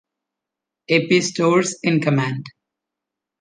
A. P. Storrs in command.